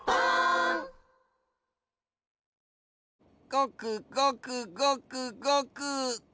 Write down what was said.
ごくごくごくごく。